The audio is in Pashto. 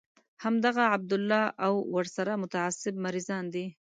همدغه عبدالله او ورسره متعصب مريضان دي.